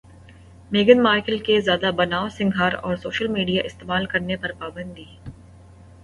میگھن Markle کے زیادہ بنائو سنگھار اور سوشل میڈیا استعمال کرنے پر پابندی